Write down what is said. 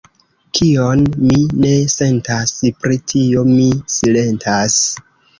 Kion mi ne sentas, pri tio mi silentas.